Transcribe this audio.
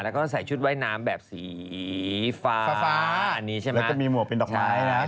แล้วก็ใส่ชุดว่ายน้ำแบบสีฟ้าแล้วก็มีหมวกเป็นดอกไม้